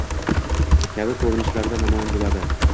kabi ko‘rinishlarda namoyon bo‘ladi.